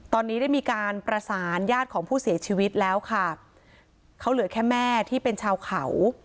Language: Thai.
ตอนนี้ได้มีการประสานญาติของผู้เสียชีวิตแล้วค่ะเขาเหลือแค่แม่ที่เป็นชาวเขา